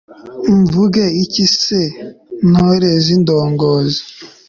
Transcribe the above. mvuge iki se ntore z'indongozi